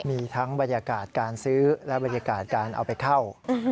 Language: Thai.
มีทั้งบรรยากาศการซื้อและบรรยากาศการเอาไปเข้า